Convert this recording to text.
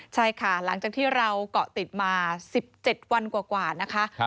ใช่ค่ะหลังจากที่เราเกาะติดมา๑๗วันกว่านะคะ